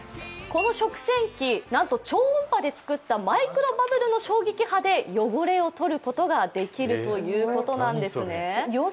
この食洗機、なんと超音波で作ったマイクロバブルの衝撃波で汚れを取ることができるということなんですね。